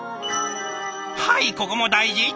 はいここも大事！